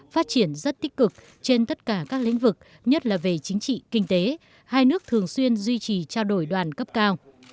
phát triển rất tích cực trên tất cả các lĩnh vực nhất là về chính trị kinh tế hai nước thường xuyên duy trì trao đổi đoàn cấp cao